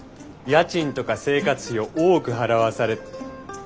家賃とか生活費を多く払わされ。